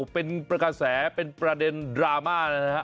เป็นกระแสเป็นประเด็นดราม่าเลยนะฮะ